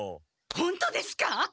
ホントですか？